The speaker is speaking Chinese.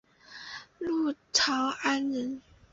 陆朝安人。